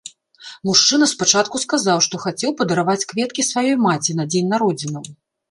Мужчына спачатку сказаў, што хацеў падараваць кветкі сваёй маці на дзень народзінаў.